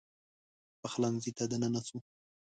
پخلنځي ته دننه سو